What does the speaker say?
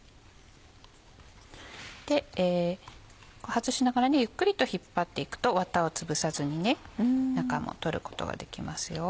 外しながらゆっくりと引っ張っていくとワタをつぶさずに中も取ることができますよ。